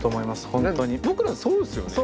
僕らはそうですよね。